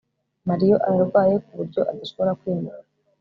Mario ararwaye kuburyo adashobora kwimuka